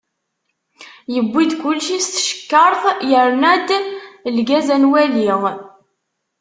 Yewwi-d kulci s tcekkart, yerna-d lgaz ad nwali.